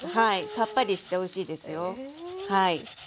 さっぱりしておいしいですよ。